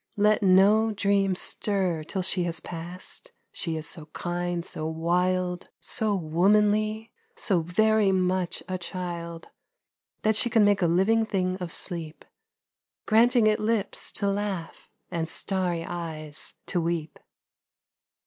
Let no dream stir Till she has passed she is so kind, so wild, So womanly, so very much a child, That' she can make a living thing of sleep, Granting it lips to laugh and starry eyes to weep.